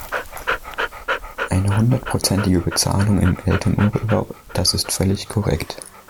Eine hundertprozentige Bezahlung im Elternurlaub, das ist völlig korrekt.